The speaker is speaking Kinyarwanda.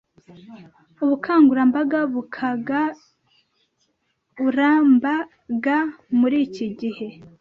Ubukagurambaga b u ka g ura m b a g a Muri iki gihe,